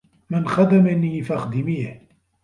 مَنْ خَدَمَنِي فَاخْدِمِيهِ